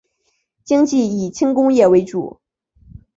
经济以轻工业为主。